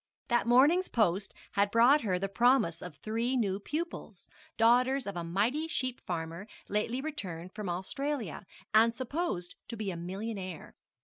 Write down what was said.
That morning's post had brought her the promise of three new pupils, daughters of a mighty sheep farmer lately returned from Australia, and supposed to be a millionaire.